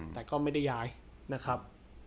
แต่ก็ไม่ได้ย้ายนะครับ